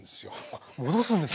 あっ戻すんですか？